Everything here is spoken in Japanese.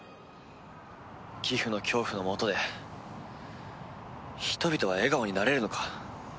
ギフの恐怖の下で人々は笑顔になれるのか？